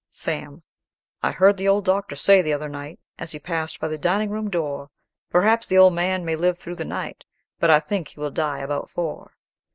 Sam. "I heard the old doctor say the other night, As he passed by the dining room door 'Perhaps the old man may live through the night, But I think he will die about four.'